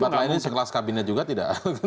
di tempat lain ini sekelas kabinet juga tidak